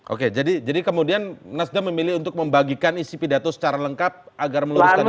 oke jadi kemudian nasdem memilih untuk membagikan isi pidato secara lengkap agar meluruskan itu